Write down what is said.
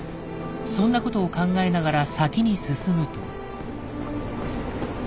そんなことを考えながら先に進むと。